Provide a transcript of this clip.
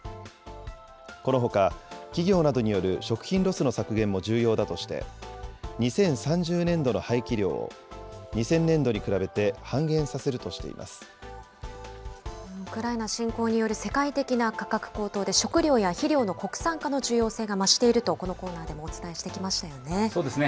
このほか、企業などによる食品ロスの削減も重要だとして、２０３０年度の廃棄量を２０００年度に比べて半減させるとしていウクライナ侵攻による世界的な価格高騰で、食料や肥料の国産化の重要性が増していると、このコーナーでもお伝えしてきましたよね。